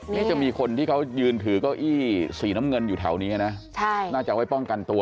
นี่จะมีคนที่เขายืนถือเก้าอี้สีน้ำเงินอยู่แถวนี้นะน่าจะเอาไว้ป้องกันตัว